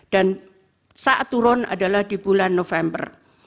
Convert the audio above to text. dan saat turun adalah di bulan november